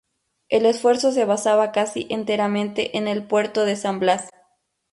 El esfuerzo se basaba casi enteramente en el puerto de San Blas.